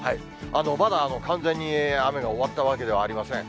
まだ完全に雨が終わったわけではありません。